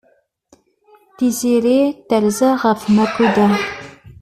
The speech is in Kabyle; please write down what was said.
Tiziri terza ɣef Makuda.